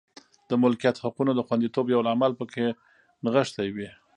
د ملکیت حقونو د خوندیتوب یو لامل په کې نغښتې وې.